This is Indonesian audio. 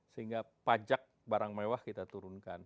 sehingga pajak barang mewah kita turunkan